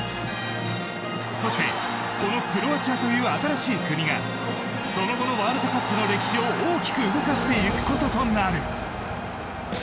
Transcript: そして、このクロアチアという新しい国がその後のワールドカップの歴史を大きく動かしていくこととなる。